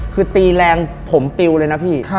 คือตีแรงผมปิวเลยนะพี่